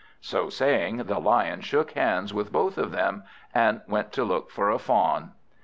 So saying, the Lion shook hands with both of them, and went to look for a fawn.